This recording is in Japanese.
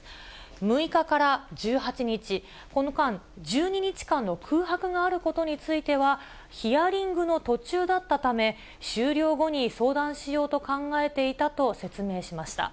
６日から１８日、この間、１２日間の空白があることについては、ヒアリングの途中だったため、終了後に相談しようと考えていたと説明しました。